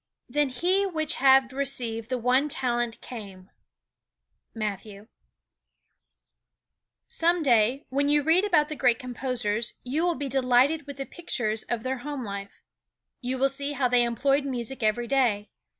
"Then he which had received the one talent came." Matthew, XXV: 24. Some day, when you read about the great composers, you will be delighted with the pictures of their home life. You will see how they employed music every day.